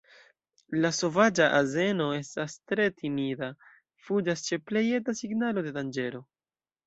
La sovaĝa azeno estas tre timida, fuĝas ĉe plej eta signalo de danĝero.